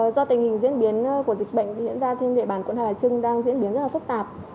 do tình hình diễn biến của dịch bệnh diễn ra trên địa bàn quận hải trưng đang diễn biến rất là phức tạp